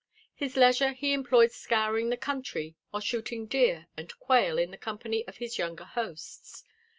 His leisure he employed scouring the country or shooting deer and quail in the company of his younger hosts.